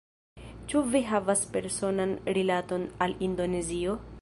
Ĉu vi havas personan rilaton al Indonezio?